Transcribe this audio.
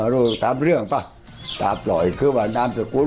ลูกทำเรื่องป่ะตามต่ออีกคือว่านามสกุล